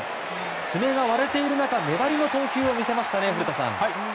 爪が割れている中粘りの投球でしたね、古田さん。